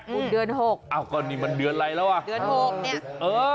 คุณเดือนหกอ้าวก็นี่มันเดือนอะไรแล้วอ่ะเดือนหกเนี่ยเออ